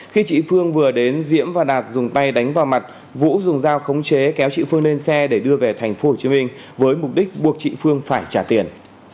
khi chị phương vừa đến diễm và đạt dùng tay đánh vào mặt vũ dùng dao khống chế kéo chị phương lên xe để đưa về thành phố hồ chí minh với mục đích buộc chị phương phải trả tiền